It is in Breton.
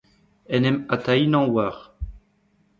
en em atahinañ war…